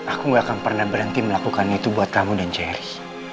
aku gak akan pernah berhenti melakukan itu buat kamu dan jerse